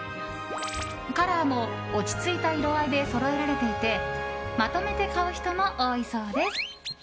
カラーも落ち着いた色合いでそろえられていてまとめて買う人も多いそうです。